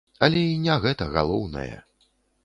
Але і не гэта галоўнае.